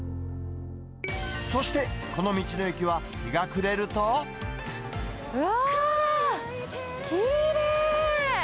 そして、この道の駅は、日が暮れわー、きれい。